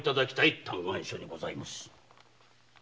嘆願書にございます。